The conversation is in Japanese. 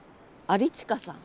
有近さん。